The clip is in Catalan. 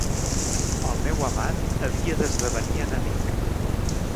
El meu amant havia d'esdevenir enemic.